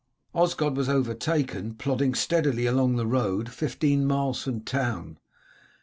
Osgod was overtaken, plodding steadily along the road, fifteen miles from town.